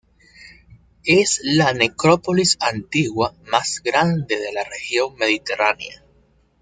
Es la necrópolis antigua más grande de la región mediterránea.